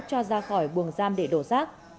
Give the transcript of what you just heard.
cho ra khỏi buồng giam để đổ rác